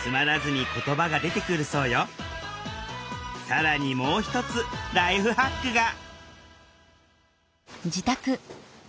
更にもう一つライフハックが。